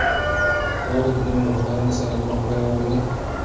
تا ولې په دومره پاملرنې سره زما خبرې واورېدې؟